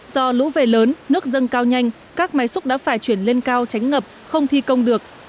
do lũ về lớn nước dâng cao nhanh các máy xúc đã phải chuyển lên cao tránh ngập không thi công được